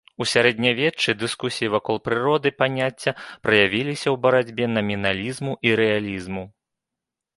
У сярэднявеччы дыскусіі вакол прыроды паняцця праявіліся ў барацьбе наміналізму і рэалізму.